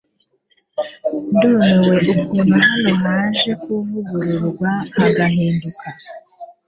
Ndumiwe ukuntu hano haje kuvugururwa hagahinduka .